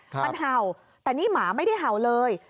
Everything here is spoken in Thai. มันเห่าแต่นี่หมาไม่ได้เห่าเลย